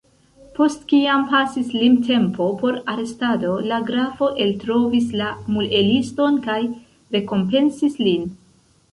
Post kiam pasis limtempo por arestado, la grafo eltrovis la mueliston kaj rekompensis lin.